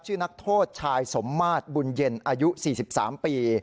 นักโทษชายสมมาตรบุญเย็นอายุ๔๓ปี